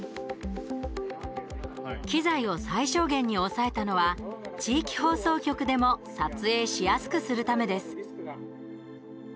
機材を最小限に抑えたのは地域放送局でも撮影しやすくするためです。